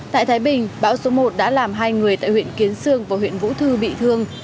tại thái bình bão số một đã làm hai người tại huyện kiến sương và huyện vũ thư bị thương